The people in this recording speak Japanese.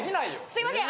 すいません。